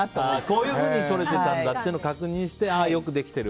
こういうふうに撮れていたんだって確認してああ、よくできてる。